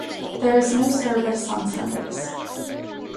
There is no service on Sundays.